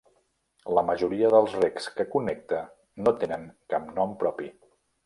La majoria dels recs que connecta no tenen cap nom propi.